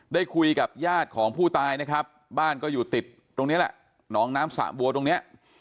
ได้คุยกับญาติของผู้ตายนะครับบ้านก็อยู่ติดตรงนี้แหละหนองน้ำสะบัวตรงเนี้ย